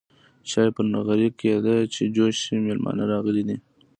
چاي په نغرې کيده چې جوش شي ميلمانه راغلي دي.